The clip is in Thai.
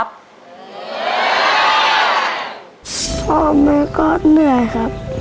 พ่อแม่ก็เหนื่อยครับ